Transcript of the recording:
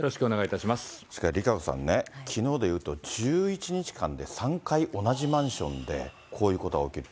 ＲＩＫＡＣＯさんね、きのうで言うと、１１日間で３回同じマンションでこういうことが起きる。